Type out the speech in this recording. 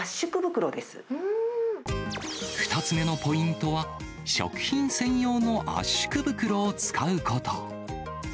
これ、２つ目のポイントは、食品専用の圧縮袋を使うこと。